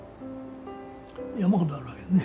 山ほどあるわけですね。